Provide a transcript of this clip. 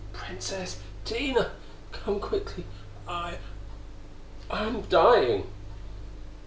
Princess! Tina! Come quickly! I I am dying!"